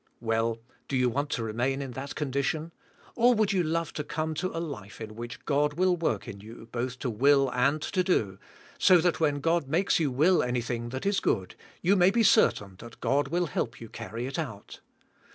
Well, do you want to remain in that con dition? Or, would you love to come to a life in which God will work in you both to will and to do^ so that when God makes you will anything that is g ood, you may be certain that God will help you carry it out?